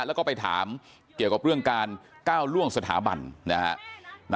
แล้วก็ไปถามเกี่ยวกับเรื่องการก้าวล่วงสถาบันนะฮะ